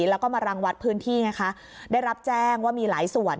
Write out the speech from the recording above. แล้วก็มารังวัดพื้นที่ไงคะได้รับแจ้งว่ามีหลายส่วน